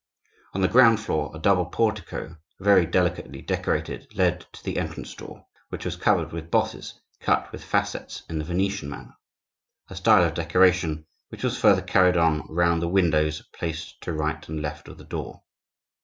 On the ground floor, a double portico, very delicately decorated, led to the entrance door, which was covered with bosses cut with facets in the Venetian manner,—a style of decoration which was further carried on round the windows placed to right and left of the door.